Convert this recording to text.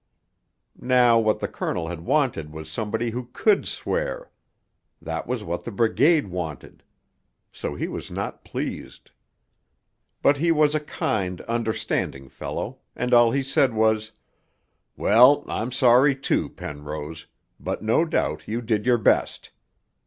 Now what the Colonel had wanted was somebody who could swear; that was what the Brigade wanted; so he was not pleased. But he was a kind, understanding fellow, and all he said was, 'Well, I'm sorry, too, Penrose, but no doubt you did your best.'